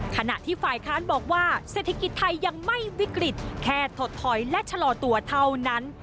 ขณะที่ฝ่ายค้านบอกว่าเศรษฐกิจไทยยังไม่วิกฤตแค่ถดถอยและชะลอตัวเท่านั้น